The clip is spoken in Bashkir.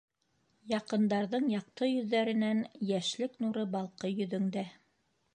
Яҡындарҙың яҡты йөҙҙәренән Йәшлек нуры балҡый йөҙөңдә.